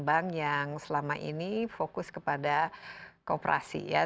bank yang selama ini fokus kepada kooperasi ya